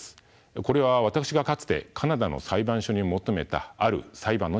これは私がかつてカナダの裁判所に求めたある裁判の記録です。